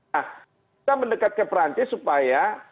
nah kita mendekat ke perancis supaya